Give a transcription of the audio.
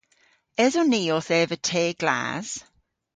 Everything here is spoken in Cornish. Eson ni owth eva te glas?